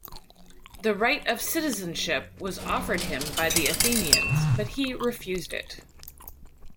The right of citizenship was offered him by the Athenians, but he refused it.